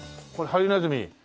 ハリネズミ。